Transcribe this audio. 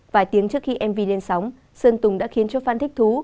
vài tiếng trước khi mv lên sóng sơn tùng đã khiến cho phan thích thú